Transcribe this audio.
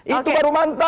itu baru mantap